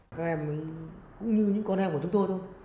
các em cũng như những con em của chúng tôi thôi